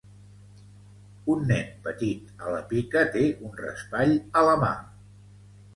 Un nen petit a la pica té un raspall a la mà.